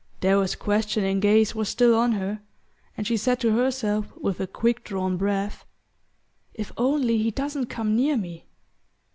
Darrow's questioning gaze was still on her, and she said to herself with a quick drawn breath: "If only he doesn't come near me!"